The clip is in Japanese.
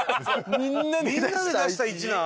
みんなで出した１なの？